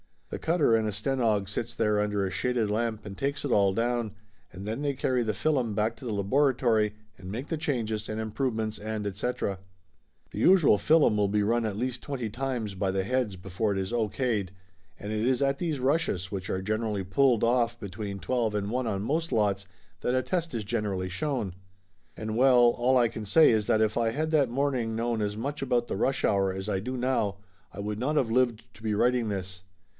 The cutter and a stenog sits there under a shaded lamp and takes it all down, and then they carry the fillum back to the laboratory and make the changes and improvements and etc. The usual fillum will be run at least twenty times by the heads before it is O.K.'d. And it is at these rushes, which are generally pulled off be tween twelve and one on most lots, that a test is gener ally shown. And well, all I can say is that if I had that morning known as much about the rush hour as I do now I would not of lived to be writing this!